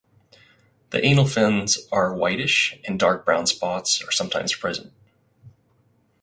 The anal fins are whitish and dark brown spots are sometimes present.